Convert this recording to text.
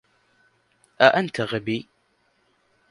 أنت غبي.